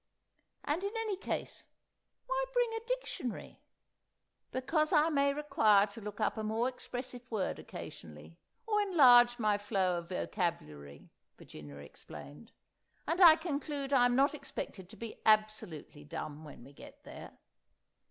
And, in any case, why bring a Dictionary?" "Because I may require to look up a more expressive word occasionally, or enlarge my flow of vocabulary," Virginia explained. "And I conclude I'm not expected to be absolutely dumb when we get there!"